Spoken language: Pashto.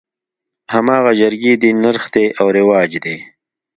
هماغه جرګې دي نرخ دى او رواج دى.